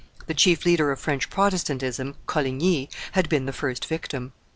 The chief leader of French Protestantism, Coligny, had been the first victim.